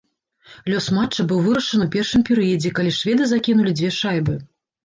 Лёс матча быў вырашаны ў першым перыядзе, калі шведы закінулі дзве шайбы.